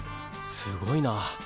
すごいな。